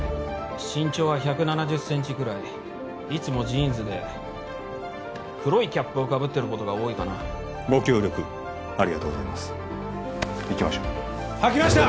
身長は１７０ｃｍぐらいいつもジーンズで黒いキャップをかぶってることが多いかなご協力ありがとうございます行きましょう吐きました！